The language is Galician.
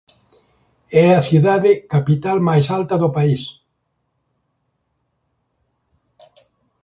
É a cidade capital máis alta do país.